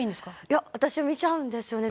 「いや私は見ちゃうんですよね」